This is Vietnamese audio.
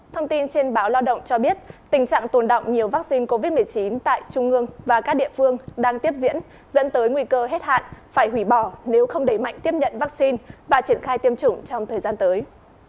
thông tin trên báo lao động cho biết tình trạng tồn động nhiều vaccine covid một mươi chín tại trung ương và các địa phương đang tiếp diễn dẫn tới nguy cơ hết hạn phải hủy bỏ nếu không đẩy mạnh tiếp nhận vaccine và triển khai tiêm chủng trong thời gian tới